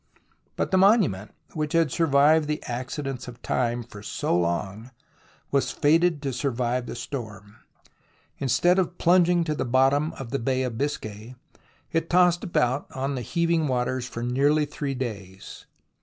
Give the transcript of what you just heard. But the monument, which had survived the accidents of Time for so long, was fated to survive the storm. Instead of plunging to the bottom of the Bay of Biscay, it tossed about on the heaving waters for nearly three days.